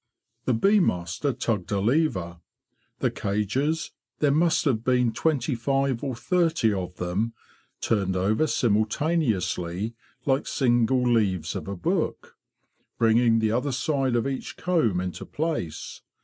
The bee master. tugged a lever. The cages—there must have been twenty five or thirty of them—turned over simultaneously like single leaves of a book, bringing the other side of each comb into place.